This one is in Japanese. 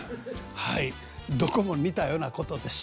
どこも似たようなことです。